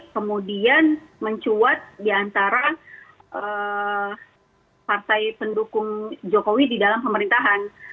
kemudian mencuat di antara partai pendukung jokowi di dalam pemerintahan